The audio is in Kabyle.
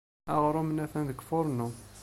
Aɣrum-nni atan deg ufarnu.